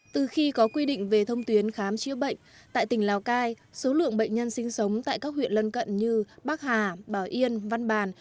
từ khi có quy định về thông tuyến khám chữa bệnh tại tỉnh lào cai số lượng bệnh nhân sinh sống tại các huyện lân cận như bắc hà bảo yên văn bàn